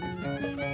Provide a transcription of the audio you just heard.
terima kasih pak